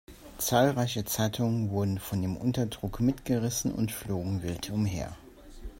Zahlreiche Zeitungen wurden von dem Unterdruck mitgerissen und flogen wild umher.